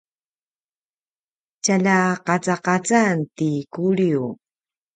tjalja qacaqacan ti Kuliu